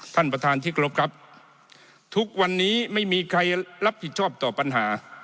ท่านประธานที่กรบครับทุกวันนี้ไม่มีใครรับผิดชอบต่อปัญหา